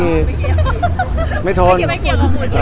ไม่เทียบไม่เทียบไม่เทียบได้หมดเลย